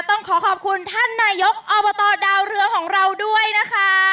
ต้องขอขอบคุณท่านนายกอบตดาวเรือของเราด้วยนะคะ